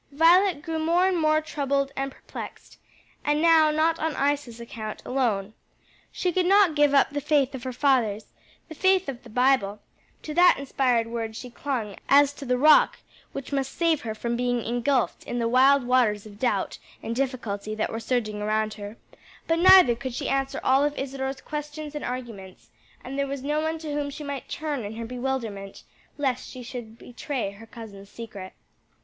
Violet grew more and more troubled and perplexed and now not on Isa's account alone. She could not give up the faith of her fathers, the faith of the Bible (to that inspired word she clung as to the rock which must save her from being engulfed in the wild waters of doubt and difficulty that were surging around her) but neither could she answer all Isadore's questions and arguments, and there was no one to whom she might turn in her bewilderment, lest she should betray her cousin's secret.